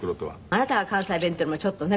あなたが関西弁っていうのもちょっとね。